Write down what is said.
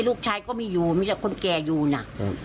ลูกชายก็มีอยู่มีแต่คนแก่อยู่นะ